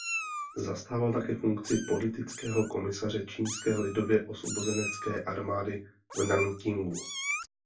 Zastával také funkci politického komisaře Čínské lidově osvobozenecké armády v Nankingu.